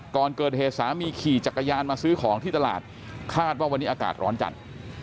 ก่อนเกิดเหตุสามีขี่จักรยานมาซื้อของที่ตลาดคาดว่าวันนี้อากาศร้อนจัด